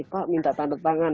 pak minta tanda tangan